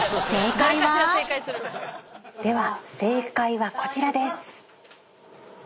では正解はこちらです。